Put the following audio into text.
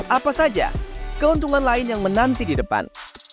apa saja keuntungan lain yang menanti di depan